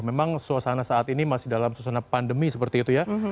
memang suasana saat ini masih dalam suasana pandemi seperti itu ya